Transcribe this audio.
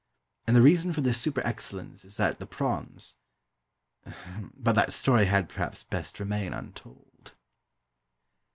And the reason for this super excellence is that the prawns but that story had, perhaps, best remain untold.